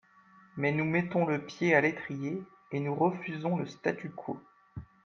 Mais nous mettons le pied à l’étrier, et nous refusons le statu quo.